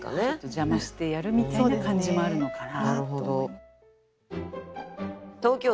邪魔してやるみたいな感じもあるのかな。